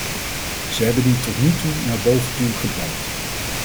Ze hebben die tot nu toe naar boven toe gebruikt.